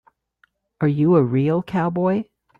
Are you a real cowboy?